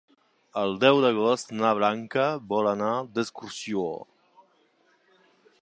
El deu d'agost na Blanca vol anar d'excursió.